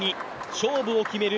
勝負を決める